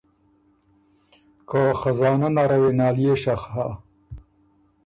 که خزانۀ نره وې ناليې شخ هۀ۔